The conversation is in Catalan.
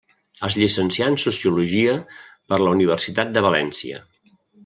Es llicencià en Sociologia per la Universitat de València.